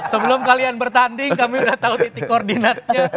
sebelum kalian bertanding kami udah tahu titik koordinatnya